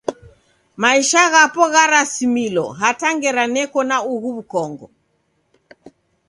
Maisha ghapo gharasimilo hata ngera neko na ughu w'ukongo.